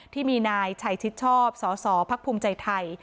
ที่มีนายชัยชิดชอบสสพักภูมิใจไทย